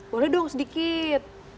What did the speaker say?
boleh dong sedikit